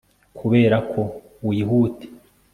kuberako wihute